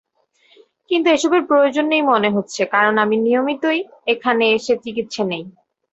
কিন্তু এসবের প্রয়োজন নেই মনে হচ্ছে কারণ আমি নিয়মিত এখানে এসে চিকিৎসা নিই।